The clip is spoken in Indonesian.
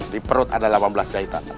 di perut ada delapan belas jahitan